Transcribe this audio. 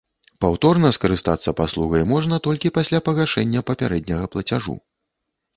Паўторна скарыстацца паслугай можна толькі пасля пагашэння папярэдняга плацяжу.